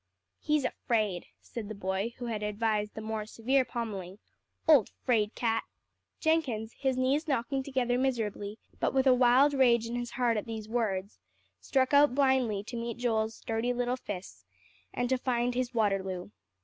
"He's afraid," said the boy who had advised the more severe pommelling, "old 'fraid cat!" Jenkins, his knees knocking together miserably, but with a wild rage in his heart at these words, struck out blindly to meet Joel's sturdy little fists, and to find his Waterloo.